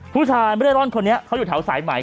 ผู้ชายไม่ได้ร่อนคนนี้เขาอยู่แถวสายใหม่